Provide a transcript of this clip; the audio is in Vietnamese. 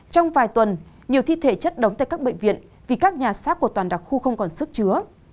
trong vài tuần nhiều thi thể chất đóng tại các bệnh viện vì các nhà sát của toàn đặc khu không còn sức chứa